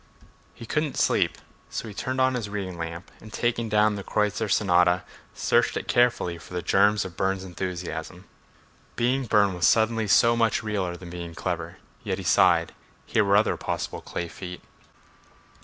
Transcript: He could not sleep, so he turned on his reading lamp and, taking down the "Kreutzer Sonata," searched it carefully for the germs of Burne's enthusiasm. Being Burne was suddenly so much realler than being clever. Yet he sighed... here were other possible clay feet.